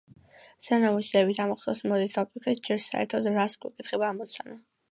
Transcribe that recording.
სანამ ვეცდებით ამოხსნას, მოდით დავფიქრდეთ ჯერ საერთოდ რას გვეკითხება ამოცანა.